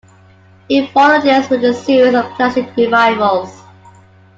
He followed this with a series of classic revivals.